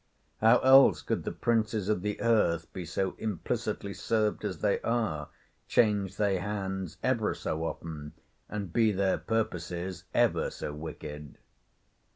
How else could the princes of the earth be so implicitly served as they are, change they hands every so often, and be their purposes ever so wicked.